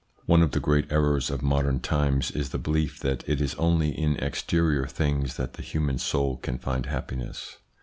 One of the great errors of modern times is the belief that it is only in exterior things that the human soul can find happiness.